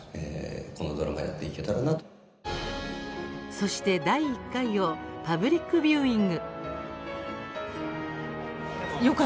そして、第１回をパブリックビューイング。